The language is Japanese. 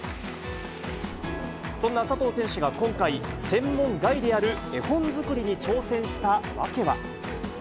そんな佐藤選手が今回、専門外である絵本作りに挑戦した訳は。